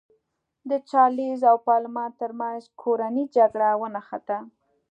د چارلېز او پارلمان ترمنځ کورنۍ جګړه ونښته.